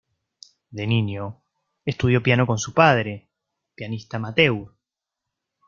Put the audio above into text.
De niño, estudió piano con su padre, pianista amateur.